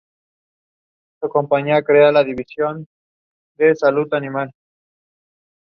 Much of Geiger's writing has been translated into English from the original German.